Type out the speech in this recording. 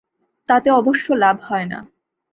তাতে অবশ্য লাভ হয় না।